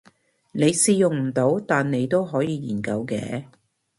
你試用唔到但你都可以研究嘅